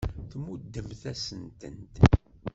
Tmuddemt-asent-tent.